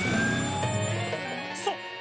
そう。